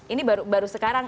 ini baru sekarang